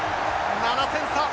７点差！